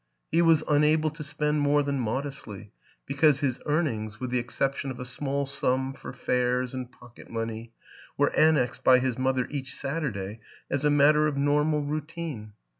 He was unable to spend more than modestly because his earnings, with the ex ception of a small sum for fares and pocket money, were annexed by his mother each Saturday as a matter of normal routine.